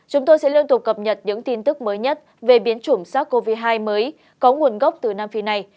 chúng tôi sẽ liên tục cập nhật những tin tức mới nhất về biến chủng sars cov hai mới có nguồn gốc từ nam phi này